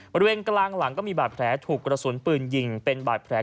บริเวณกลางหลังก็มีบาดแผลถูกกระสุนปืนยิงเป็นบาดแผล